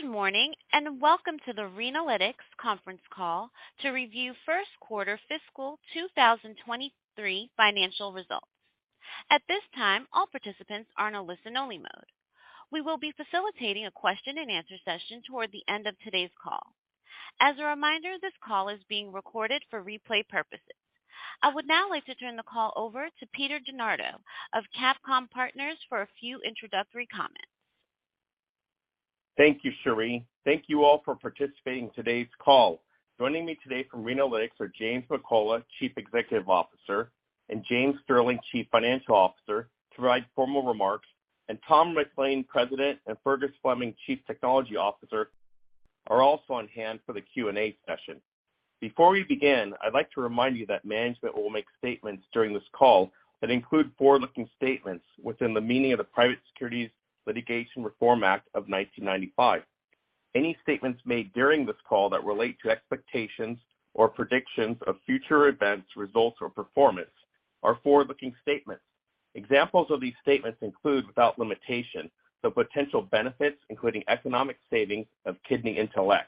Good morning, welcome to the Renalytix conference call to review first quarter fiscal 2023 financial results. At this time, all participants are in a listen-only mode. We will be facilitating a question-and-answer session toward the end of today's call. As a reminder, this call is being recorded for replay purposes. I would now like to turn the call over to Peter DeNardo of CapComm Partners for a few introductory comments. Thank you, Cherie. Thank you all for participating in today's call. Joining me today from Renalytix are James McCullough, Chief Executive Officer, and James Sterling, Chief Financial Officer, to provide formal remarks. Thomas McLain, President, and Fergus Fleming, Chief Technology Officer, are also on hand for the Q&A session. Before we begin, I'd like to remind you that management will make statements during this call that include forward-looking statements within the meaning of the Private Securities Litigation Reform Act of 1995. Any statements made during this call that relate to expectations or predictions of future events, results, or performance are forward-looking statements. Examples of these statements include, without limitation, the potential benefits, including economic savings of KidneyIntelX,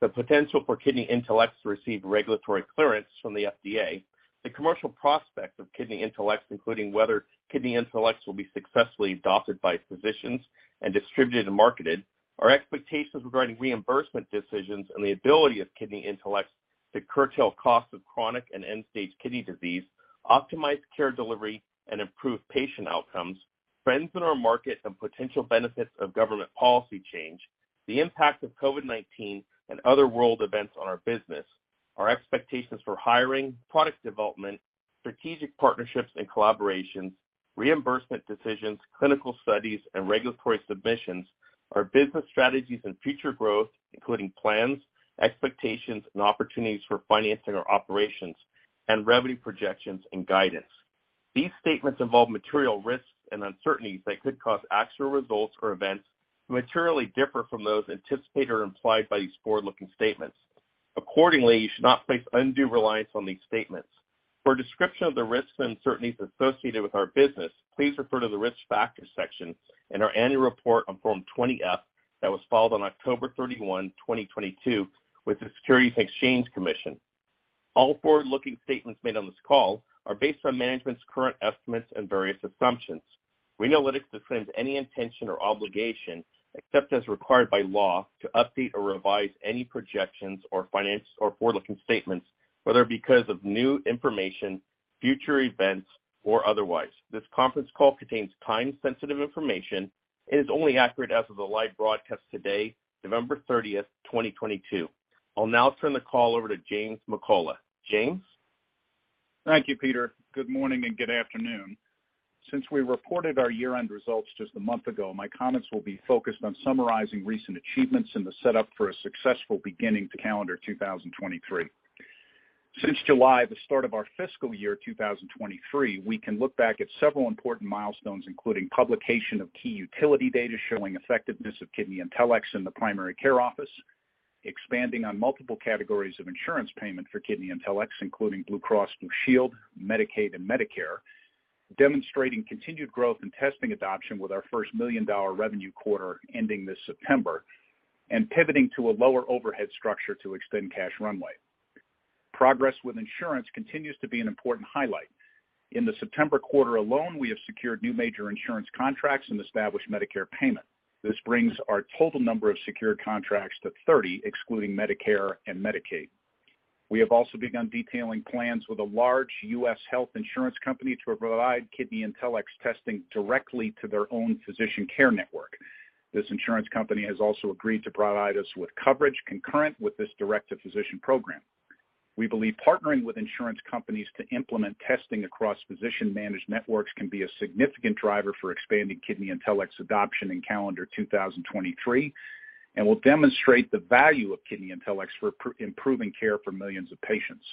the potential for KidneyIntelX to receive regulatory clearance from the FDA, the commercial prospects of KidneyIntelX, including whether KidneyIntelX will be successfully adopted by physicians and distributed and marketed, our expectations regarding reimbursement decisions and the ability of KidneyIntelX to curtail costs of chronic and end-stage kidney disease, optimize care delivery, and improve patient outcomes, trends in our market and potential benefits of government policy change, the impact of COVID-19 and other world events on our business, our expectations for hiring, product development, strategic partnerships and collaborations, reimbursement decisions, clinical studies, and regulatory submissions, our business strategies and future growth, including plans, expectations, and opportunities for financing our operations, and revenue projections and guidance. These statements involve material risks and uncertainties that could cause actual results or events to materially differ from those anticipated or implied by these forward-looking statements. Accordingly, you should not place undue reliance on these statements. For a description of the risks and uncertainties associated with our business, please refer to the Risk Factors section in our annual report on Form 20-F that was filed on October 31, 2022, with the Securities and Exchange Commission. All forward-looking statements made on this call are based on management's current estimates and various assumptions. Renalytix disclaims any intention or obligation, except as required by law, to update or revise any projections or finance or forward-looking statements, whether because of new information, future events, or otherwise. This conference call contains time-sensitive information and is only accurate as of the live broadcast today, November 30th, 2022. I'll now turn the call over to James McCullough. James? Thank you, Peter. Good morning and good afternoon. Since we reported our year-end results just a month ago, my comments will be focused on summarizing recent achievements and the setup for a successful beginning to calendar 2023. Since July, the start of our fiscal year 2023, we can look back at several important milestones, including publication of key utility data showing effectiveness of KidneyIntelX in the primary care office, expanding on multiple categories of insurance payment for KidneyIntelX, including Blue Cross Blue Shield, Medicaid, and Medicare, demonstrating continued growth in testing adoption with our first $1 million revenue quarter ending this September, and pivoting to a lower overhead structure to extend cash runway. Progress with insurance continues to be an important highlight. In the September quarter alone, we have secured new major insurance contracts and established Medicare payment. This brings our total number of secured contracts to 30, excluding Medicare and Medicaid. We have also begun detailing plans with a large U.S. health insurance company to provide KidneyIntelX's testing directly to their own physician care network. This insurance company has also agreed to provide us with coverage concurrent with this direct-to-physician program. We believe partnering with insurance companies to implement testing across physician-managed networks can be a significant driver for expanding KidneyIntelX's adoption in calendar 2023 and will demonstrate the value of KidneyIntelX for improving care for millions of patients.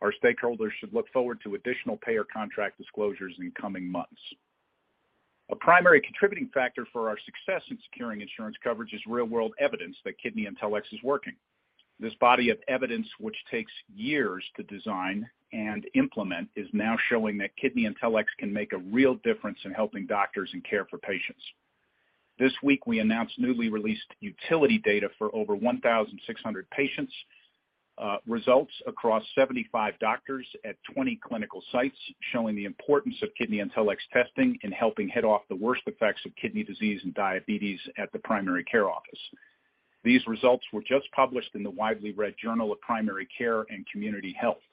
Our stakeholders should look forward to additional payer contract disclosures in the coming months. A primary contributing factor for our success in securing insurance coverage is real-world evidence that KidneyIntelX is working. This body of evidence, which takes years to design and implement, is now showing that KidneyIntelX can make a real difference in helping doctors and care for patients. This week, we announced newly released utility data for over 1,600 patients, results across 75 doctors at 20 clinical sites, showing the importance of KidneyIntelX's testing in helping head off the worst effects of kidney disease and diabetes at the primary care office. These results were just published in the widely read Journal of Primary Care & Community Health.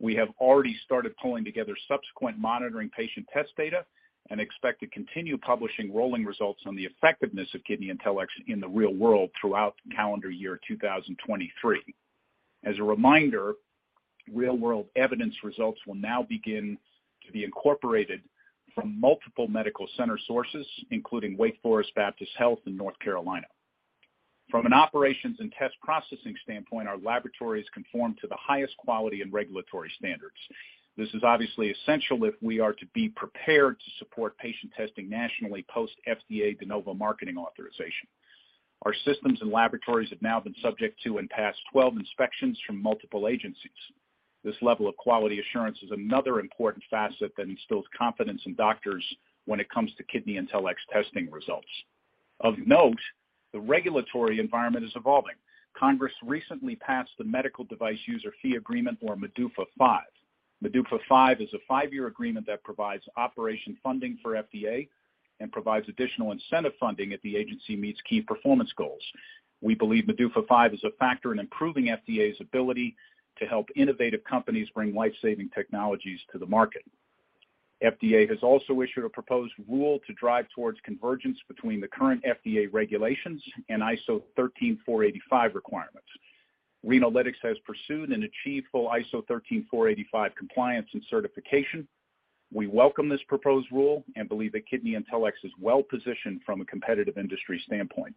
We have already started pulling together subsequent monitoring patient test data and expect to continue publishing rolling results on the effectiveness of KidneyIntelX in the real world throughout calendar year 2023. As a reminder, real-world evidence results will now begin to be incorporated from multiple medical center sources, including Wake Forest Baptist Health in North Carolina. From an operations and test processing standpoint, our laboratories conform to the highest quality and regulatory standards. This is obviously essential if we are to be prepared to support patient testing nationally post FDA De Novo marketing authorization. Our systems and laboratories have now been subject to and passed 12 inspections from multiple agencies. This level of quality assurance is another important facet that instills confidence in doctors when it comes to KidneyIntelX's testing results. Of note, the regulatory environment is evolving. Congress recently passed the Medical Device User Fee Agreement or MDUFA V. MDUFA V is a five-year agreement that provides operation funding for FDA and provides additional incentive funding if the agency meets key performance goals. We believe MDUFA V is a factor in improving FDA's ability to help innovative companies bring life-saving technologies to the market. FDA has also issued a proposed rule to drive towards convergence between the current FDA regulations and ISO 13485 requirements. Renalytix has pursued and achieved full ISO 13485 compliance and certification. We welcome this proposed rule and believe that KidneyIntelX is well-positioned from a competitive industry standpoint.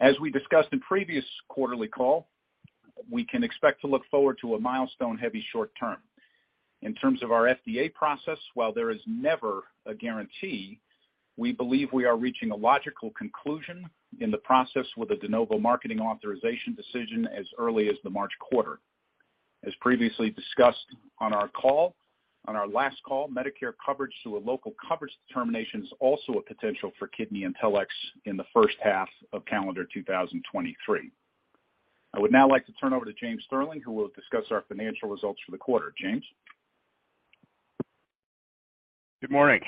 As we discussed in previous quarterly call, we can expect to look forward to a milestone heavy short term. In terms of our FDA process, while there is never a guarantee, we believe we are reaching a logical conclusion in the process with a De Novo marketing authorization decision as early as the March quarter. As previously discussed on our call, on our last call, Medicare coverage through a Local Coverage Determination is also a potential for KidneyIntelX in the first half of calendar 2023. I would now like to turn over to James Sterling, who will discuss our financial results for the quarter. James. Good morning.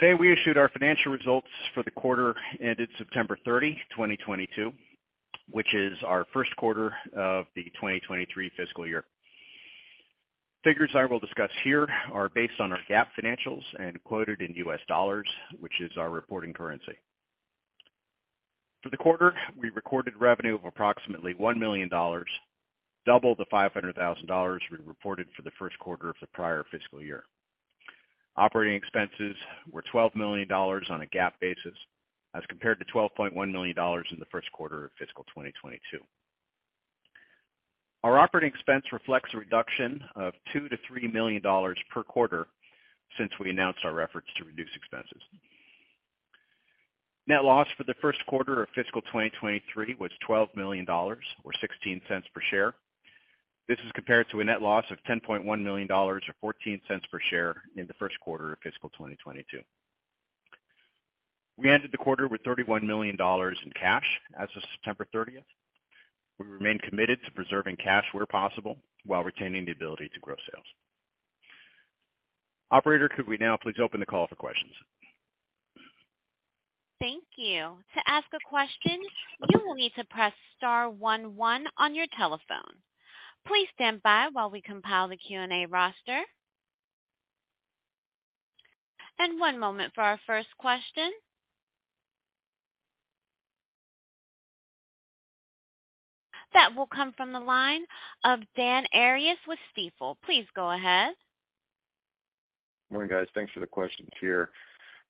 Today, we issued our financial results for the quarter ended September 30, 2022, which is our first quarter of the 2023 fiscal year. Figures I will discuss here are based on our GAAP financials and quoted in U.S. dollars, which is our reporting currency. For the quarter, we recorded revenue of approximately $1 million, double the $500,000 we reported for the first quarter of the prior fiscal year. Operating expenses were $12 million on a GAAP basis as compared to $12.1 million in the first quarter of fiscal 2022. Our operating expense reflects a reduction of $2 million-$3 million per quarter since we announced our efforts to reduce expenses. Net loss for the first quarter of fiscal 2023 was $12 million, or $0.16 per share. This is compared to a net loss of $10.1 million or $0.14 per share in the first quarter of fiscal 2022. We ended the quarter with $31 million in cash as of September 30th. We remain committed to preserving cash where possible while retaining the ability to grow sales. Operator, could we now please open the call for questions? Thank you. To ask a question, you will need to press star one one on your telephone. Please stand by while we compile the Q&A roster. One moment for our first question. That will come from the line of Dan Arias with Stifel. Please go ahead. Morning, guys. Thanks for the questions here.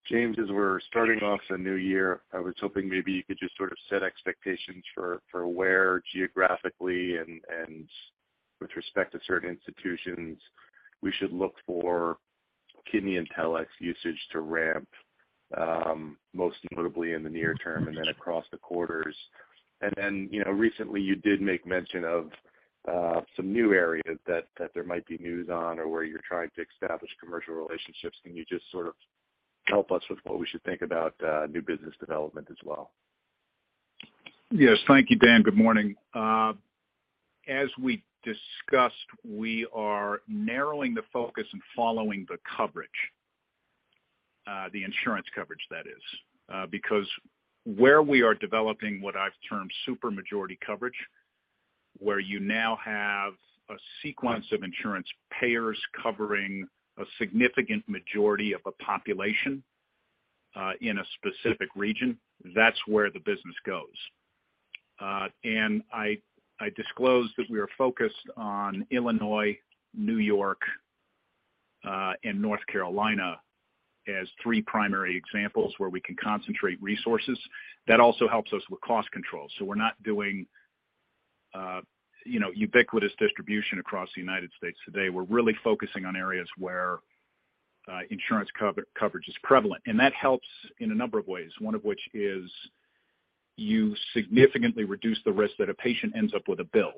James, as we're starting off the new year, I was hoping maybe you could just sort of set expectations for where geographically and with respect to certain institutions we should look for KidneyIntelX's usage to ramp most notably in the near term and then across the quarters. You know, recently you did make mention of some new areas that there might be news on or where you're trying to establish commercial relationships. Can you just sort of help us with what we should think about new business development as well? Yes. Thank you, Dan. Good morning. As we discussed, we are narrowing the focus and following the coverage, the insurance coverage, that is. Because where we are developing what I've termed super majority coverage, where you now have a sequence of insurance payers covering a significant majority of a population, in a specific region, that's where the business goes. I disclosed that we are focused on Illinois, New York, and North Carolina as three primary examples where we can concentrate resources. That also helps us with cost control. We're not doing, you know, ubiquitous distribution across the United States today. We're really focusing on areas where insurance coverage is prevalent. That helps in a number of ways, one of which is you significantly reduce the risk that a patient ends up with a bill,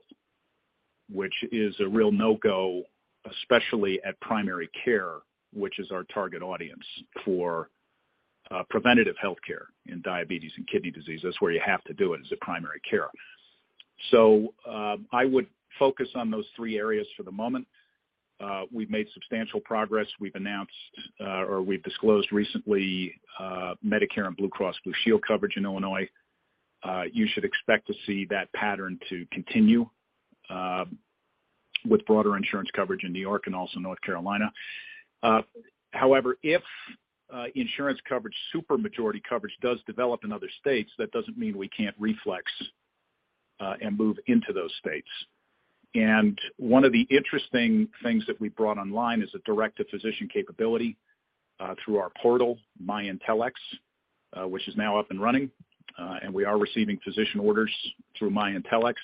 which is a real no-go, especially at primary care, which is our target audience for preventive health care in diabetes and kidney disease. That's where you have to do it, is at primary care. I would focus on those three areas for the moment. We've made substantial progress. We've announced, or we've disclosed recently, Medicare and Blue Cross Blue Shield coverage in Illinois. You should expect to see that pattern to continue with broader insurance coverage in New York and also North Carolina. However, if insurance coverage, super majority coverage does develop in other states, that doesn't mean we can't reflex and move into those states. One of the interesting things that we brought online is a direct-to-physician capability through our portal, myIntelX, which is now up and running. We are receiving physician orders through myIntelX.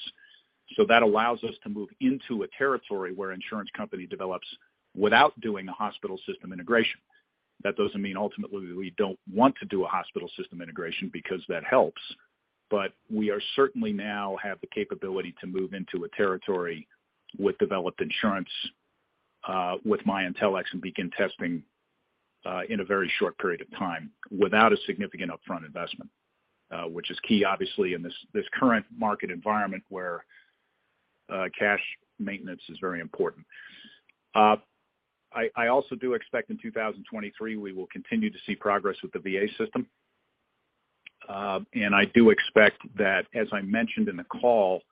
That allows us to move into a territory where insurance company develops without doing a hospital system integration. That doesn't mean ultimately that we don't want to do a hospital system integration because that helps. We are certainly now have the capability to move into a territory with developed insurance with myIntelX and begin testing in a very short period of time without a significant upfront investment, which is key obviously in this current market environment where cash maintenance is very important. I also do expect in 2023, we will continue to see progress with the VA system. I do expect that, as I mentioned in the call,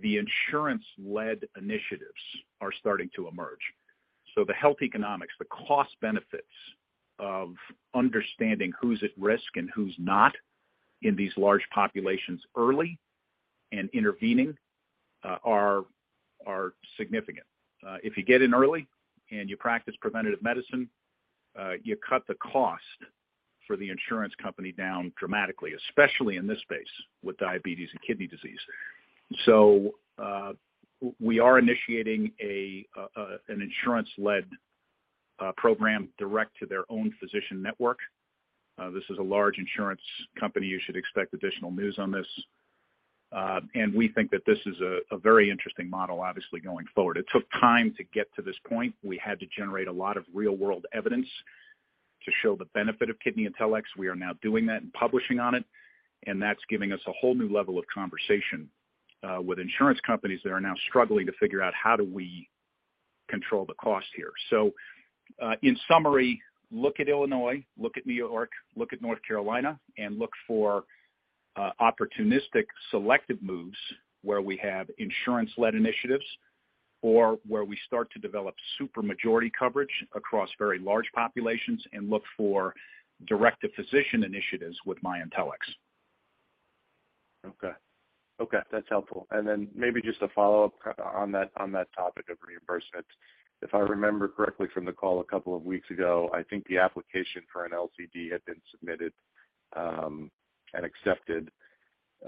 the insurance-led initiatives are starting to emerge. The health economics, the cost benefits of understanding who's at risk and who's not in these large populations early and intervening, are significant. If you get in early and you practice preventative medicine, you cut the cost for the insurance company down dramatically, especially in this space with diabetes and kidney disease. We are initiating an insurance-led program direct to their own physician network. This is a large insurance company. You should expect additional news on this. We think that this is a very interesting model, obviously, going forward. It took time to get to this point. We had to generate a lot of real-world evidence to show the benefit of KidneyIntelX. We are now doing that and publishing on it, and that's giving us a whole new level of conversation with insurance companies that are now struggling to figure out how do we control the cost here. In summary, look at Illinois, look at New York, look at North Carolina, and look for opportunistic selective moves where we have insurance-led initiatives or where we start to develop super majority coverage across very large populations and look for direct-to-physician initiatives with myIntelX. Okay, that's helpful. Then maybe just a follow-up on that, on that topic of reimbursement. If I remember correctly from the call a couple of weeks ago, I think the application for an LCD had been submitted and accepted.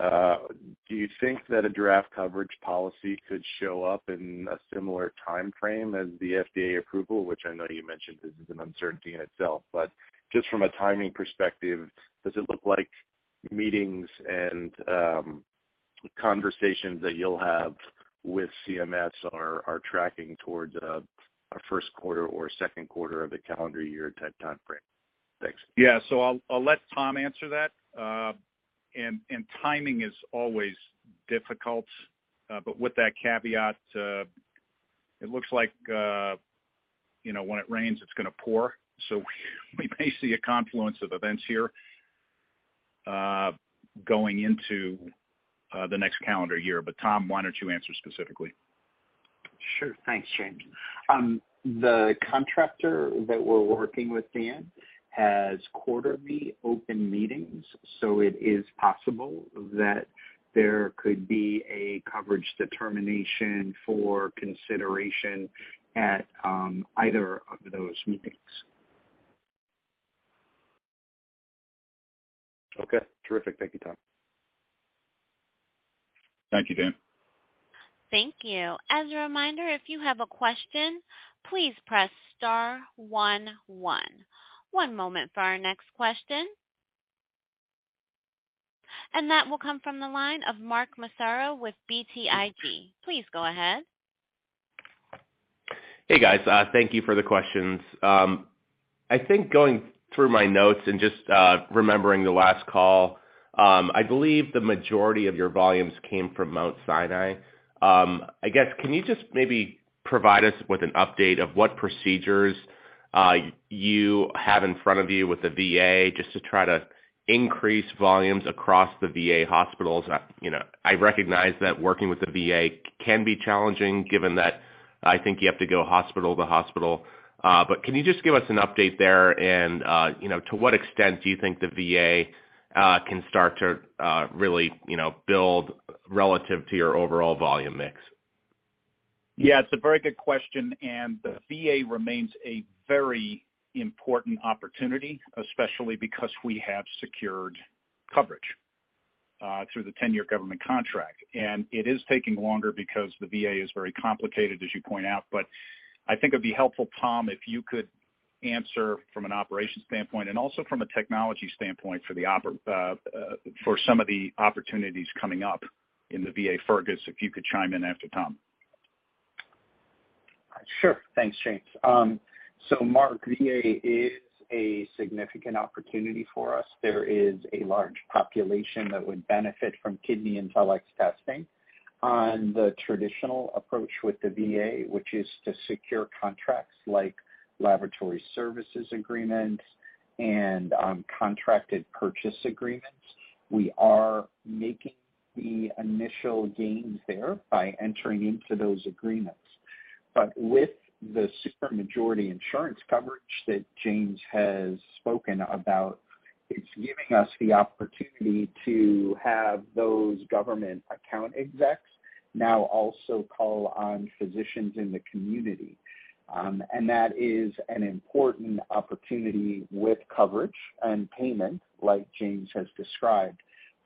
Do you think that a draft coverage policy could show up in a similar timeframe as the FDA approval, which I know you mentioned is an uncertainty in itself? Just from a timing perspective, does it look like meetings and conversations that you'll have with CMS are tracking towards a first quarter or second quarter of the calendar year type timeframe? Thanks. Yeah. I'll let Tom answer that. And timing is always difficult. With that caveat, it looks like, you know, when it rains, it's gonna pour. We may see a confluence of events here, going into the next calendar year. Tom, why don't you answer specifically? Sure. Thanks, James. The contractor that we're working with, Dan, has quarterly open meetings, so it is possible that there could be a coverage determination for consideration at either of those meetings. Okay. Terrific. Thank you, Tom. Thank you, Dan. Thank you. As a reminder, if you have a question, please press star one one. One moment for our next question. That will come from the line of Mark Massaro with BTIG. Please go ahead. Hey, guys. Thank you for the questions. I think going through my notes and just remembering the last call, I believe the majority of your volumes came from Mount Sinai. I guess, can you just maybe provide us with an update of what procedures you have in front of you with the VA just to try to increase volumes across the VA hospitals? You know, I recognize that working with the VA can be challenging given that I think you have to go hospital to hospital. Can you just give us an update there and, you know, to what extent do you think the VA can start to really, you know, build relative to your overall volume mix? It's a very good question. The VA remains a very important opportunity, especially because we have secured coverage through the 10-year government contract. It is taking longer because the VA is very complicated, as you point out. I think it'd be helpful, Tom, if you could answer from an operations standpoint and also from a technology standpoint for some of the opportunities coming up in the VA. Fergus, if you could chime in after Tom. Sure. Thanks, James. Mark, VA is a significant opportunity for us. There is a large population that would benefit from KidneyIntelX testing. On the traditional approach with the VA, which is to secure contracts like laboratory services agreements and contracted purchase agreements. We are making the initial gains there by entering into those agreements. With the super majority insurance coverage that James has spoken about, it's giving us the opportunity to have those government account execs now also call on physicians in the community. That is an important opportunity with coverage and payment like James has described.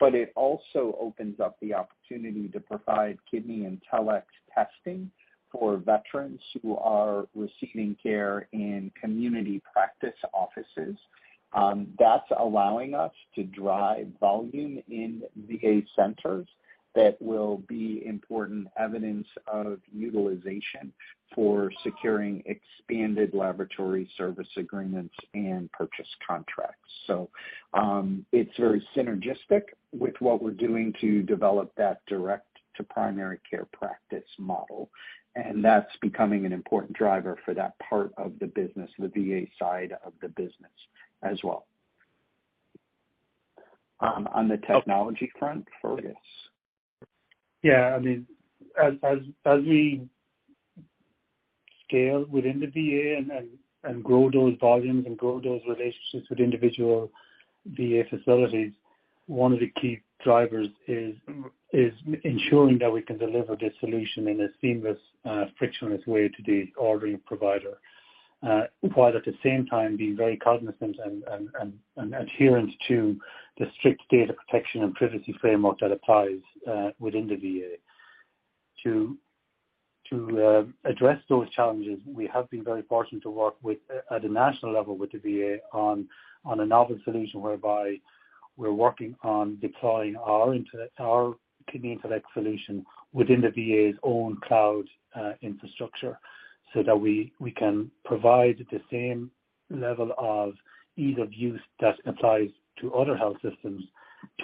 It also opens up the opportunity to provide KidneyIntelX testing for veterans who are receiving care in community practice offices. That's allowing us to drive volume in VA centers that will be important evidence of utilization for securing expanded laboratory service agreements and purchase contracts. it's very synergistic with what we're doing to develop that direct to primary care practice model, and that's becoming an important driver for that part of the business, the VA side of the business as well, on the technology front, Fergus? Yeah. I mean, as we scale within the VA and grow those volumes and grow those relationships with individual VA facilities, one of the key drivers is ensuring that we can deliver this solution in a seamless, frictionless way to the ordering provider. While at the same time being very cognizant and adherent to the strict data protection and privacy framework that applies within the VA. To address those challenges, we have been very fortunate to work with at a national level with the VA on a novel solution whereby we're working on deploying our KidneyIntelX solution within the VA's own cloud infrastructure so that we can provide the same level of ease of use that applies to other health systems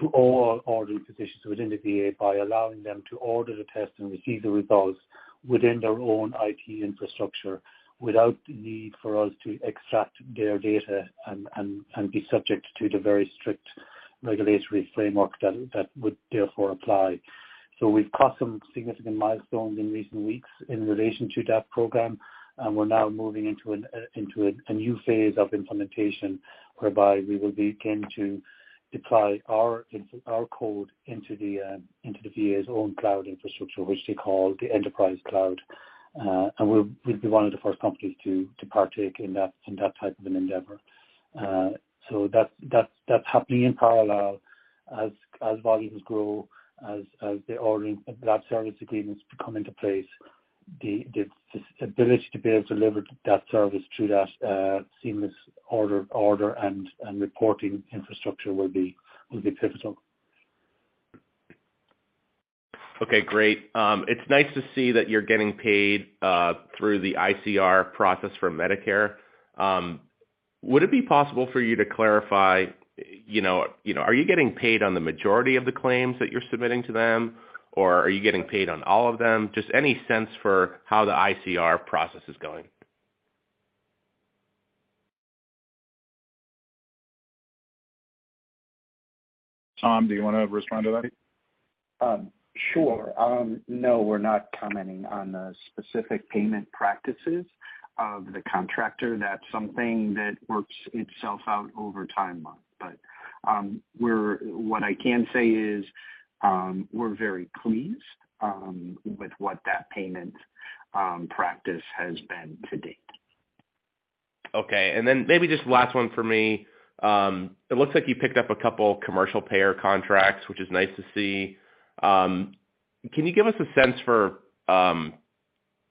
to all ordering physicians within the VA by allowing them to order the test and receive the results within their own IT infrastructure without the need for us to extract their data and be subject to the very strict regulatory framework that would therefore apply. We've crossed some significant milestones in recent weeks in relation to that program, and we're now moving into a new phase of implementation whereby we will begin to deploy our code into the VA's own cloud infrastructure, which they call the Enterprise Cloud. We'll be one of the first companies to partake in that type of an endeavor. That's happening in parallel as volumes grow, as the ordering lab service agreements come into place, the s-ability to be able to deliver that service through that seamless order and reporting infrastructure will be pivotal. Okay, great. It's nice to see that you're getting paid through the ICR process for Medicare. Would it be possible for you to clarify, you know, are you getting paid on the majority of the claims that you're submitting to them, or are you getting paid on all of them? Just any sense for how the ICR process is going? Tom, do you wanna respond to that? Sure. No, we're not commenting on the specific payment practices of the contractor. That's something that works itself out over time, Mark. What I can say is, we're very pleased with what that payment practice has been to date. Okay. Maybe just last one for me. It looks like you picked up a couple commercial payer contracts, which is nice to see. Can you give us a sense for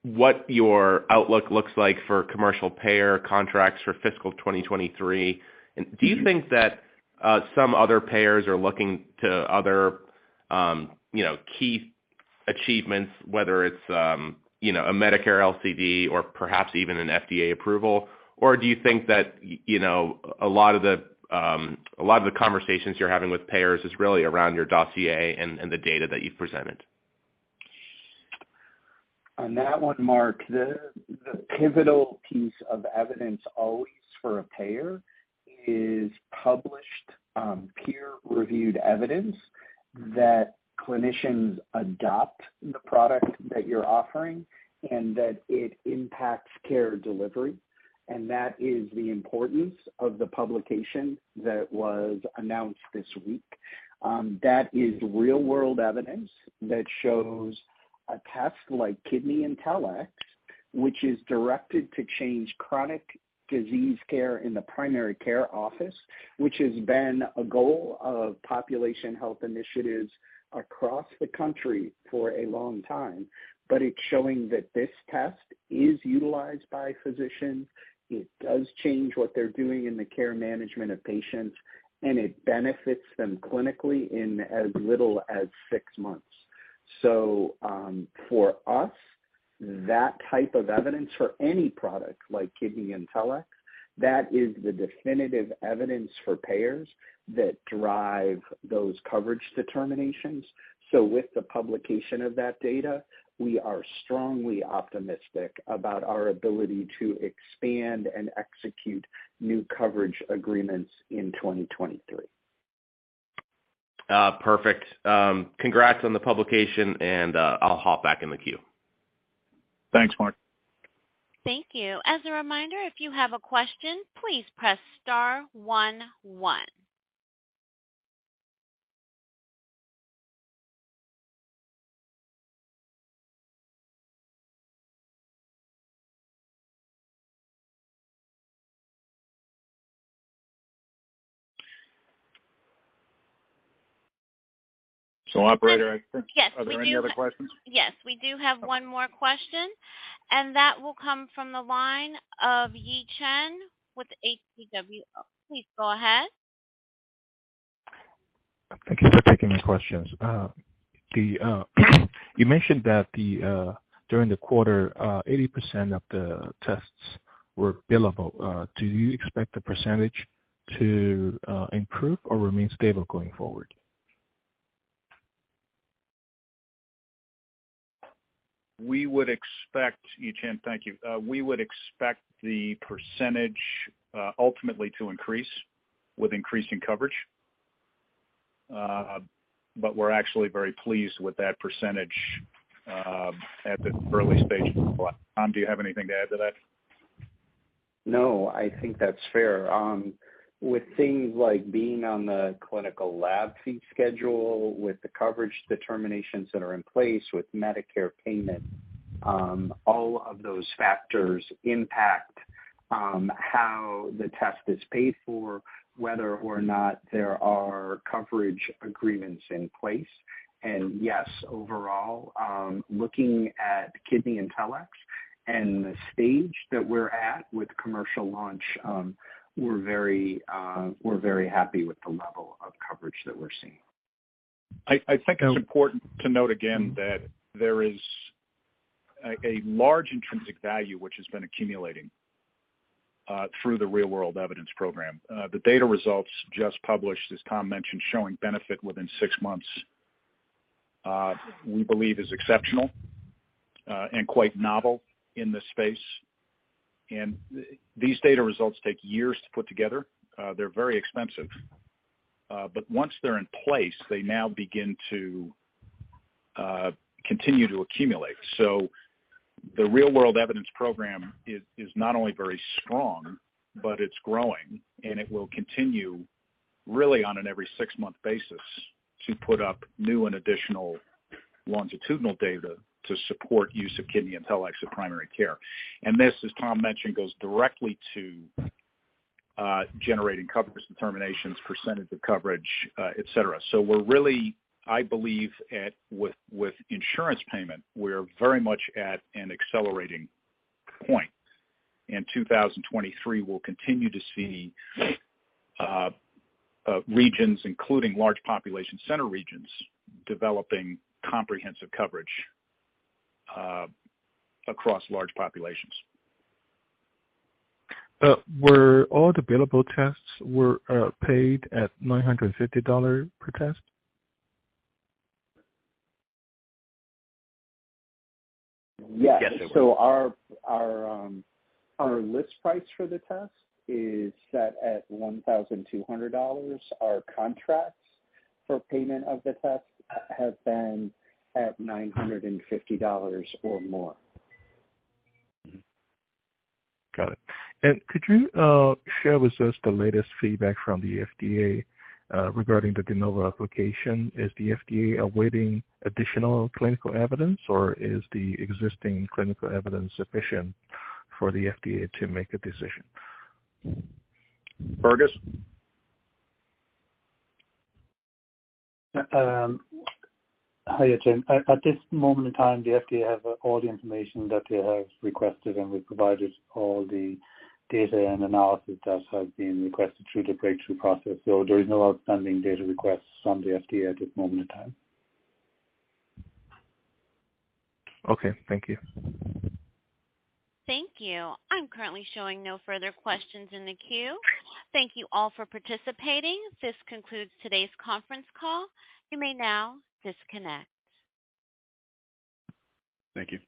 what your outlook looks like for commercial payer contracts for fiscal 2023? Do you think that some other payers are looking to other, you know, key achievements, whether it's, you know, a Medicare LCD or perhaps even an FDA approval? Do you think that, you know, a lot of the conversations you're having with payers is really around your dossier and the data that you've presented? On that one, Mark, the pivotal piece of evidence always for a payer is published, peer-reviewed evidence that clinicians adopt the product that you're offering and that it impacts care delivery. That is the importance of the publication that was announced this week. That is real-world evidence that shows a test like KidneyIntelX, which is directed to change chronic disease care in the primary care office, which has been a goal of population health initiatives across the country for a long time, but it's showing that this test is utilized by physicians, it does change what they're doing in the care management of patients, and it benefits them clinically in as little as six months. For us, that type of evidence for any product like KidneyIntelX, that is the definitive evidence for payers that drive those coverage determinations. With the publication of that data, we are strongly optimistic about our ability to expand and execute new coverage agreements in 2023. Perfect. Congrats on the publication, and I'll hop back in the queue. Thanks, Mark. Thank you. As a reminder, if you have a question, please press star one one. Operator. Yes, we do. Are there any other questions? Yes, we do have one more question, and that will come from the line of Yi Chen with H.C. Wainwright. Please go ahead. Thank you for taking the questions. You mentioned that during the quarter, 80% of the tests were billable. Do you expect the percentage to improve or remain stable going forward? We would expect, Yi Chen, thank you. We would expect the percentage, ultimately to increase with increasing coverage. We're actually very pleased with that perecentage, at the early stage. Tom, do you have anything to add to that? No, I think that's fair. With things like being on the Clinical Laboratory Fee Schedule, with the coverage determinations that are in place with Medicare payment, all of those factors impact how the test is paid for, whether or not there are coverage agreements in place. Yes, overall, looking at KidneyIntelX and the stage that we're at with commercial launch, we're very happy with the level of coverage that we're seeing. I think it's important to note again that there is a large intrinsic value which has been accumulating through the real-world evidence program. The data results just published, as Tom mentioned, showing benefit within six months, we believe is exceptional and quite novel in this space. These data results take years to put together. They're very expensive. Once they're in place, they now begin to continue to accumulate. The real-world evidence program is not only very strong, but it's growing, and it will continue really on an every six-month basis to put up new and additional longitudinal data to support use of KidneyIntelX of primary care. This, as Tom mentioned, goes directly to generating coverage determinations, percentage of coverage, et cetera. So we're really, I believe at with insurance payment, we're very much at an accelerating point. In 2023, we'll continue to see regions, including large population center regions, developing comprehensive coverage across large populations. Were all the billable tests paid at $950 per test? Yes. Yes, they were. Our list price for the test is set at $1,200. Our contracts for payment of the test have been at $950 or more. Mm-hmm. Got it. Could you share with us the latest feedback from the FDA regarding the De Novo application? Is the FDA awaiting additional clinical evidence, or is the existing clinical evidence sufficient for the FDA to make a decision? Fergus? Hi, Yi Chen. At this moment in time, the FDA have all the information that they have requested, and we provided all the data and analysis that have been requested through the breakthrough process. There is no outstanding data requests from the FDA at this moment in time. Okay. Thank you. Thank you. I'm currently showing no further questions in the queue. Thank you all for participating. This concludes today's conference call. You may now disconnect. Thank you.